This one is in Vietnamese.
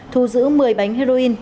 thu giữ một mươi bánh heroin